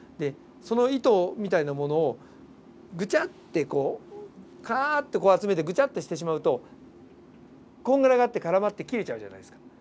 その糸みたいなものをグチャッてこうかっと集めてグチャッてしてしまうとこんがらがって絡まって切れちゃうじゃないですか。